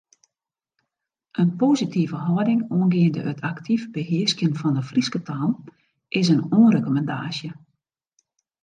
In positive hâlding oangeande it aktyf behearskjen fan de Fryske taal is in oanrekommandaasje.